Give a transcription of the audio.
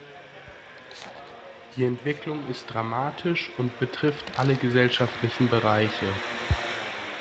Die Entwicklung ist dramatisch und betrifft alle gesellschaftlichen Bereiche.